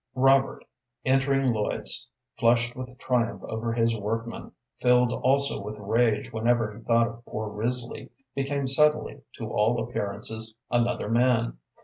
Robert, entering Lloyd's, flushed with triumph over his workmen, filled also with rage whenever he thought of poor Risley, became suddenly, to all appearances, another man.